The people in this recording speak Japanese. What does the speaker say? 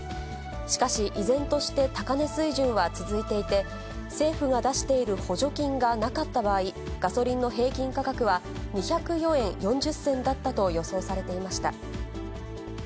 しかし、依然として高値水準は続いていて、政府が出している補助金がなかった場合、ガソリンの平均価格は、２０４円４０銭だったと予想されていました。